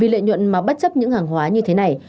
vì lợi nhuận mà bất chấp những hàng hóa như thế này